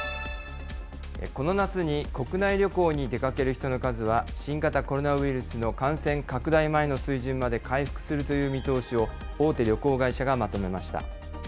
この夏に国内旅行に出かける人の数は、新型コロナウイルスの感染拡大前の水準まで回復するという見通しを、大手旅行会社がまとめました。